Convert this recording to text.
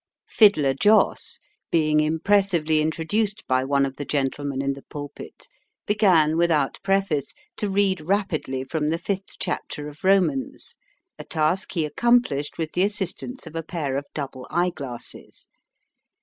Fiddler Joss, being impressively introduced by one of the gentlemen in the pulpit, began without preface to read rapidly from the fifth chapter of Romans, a task he accomplished with the assistance of a pair of double eyeglasses.